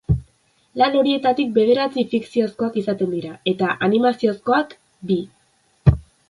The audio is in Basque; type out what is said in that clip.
Lan horietatik bederatzi fikziozkoak izaten dira, eta animaziozkoak, bi.